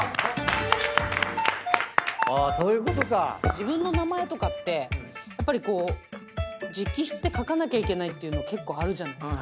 自分の名前とかってやっぱりこう直筆で書かなきゃいけないっていうの結構あるじゃないですか。